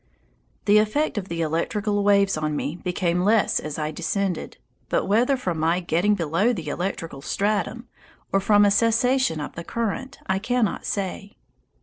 The effect of the electrical waves on me became less as I descended, but whether from my getting below the electrical stratum, or from a cessation of the current, I cannot say.